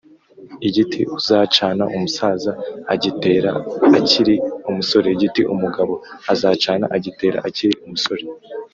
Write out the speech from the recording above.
Igiti uzacana umusaza agitera akiri umusore (Igiti umugabo azacana agitera akiri umusore).